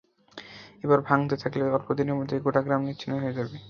এভাবে ভাঙতে থাকলে অল্প দিনের মধ্যেই গোটা গ্রাম নিশ্চিহ্ন হয়ে যাবে।